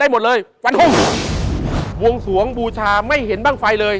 มัวงสวงเบูชาไม่เห็นบ้างไฟเลย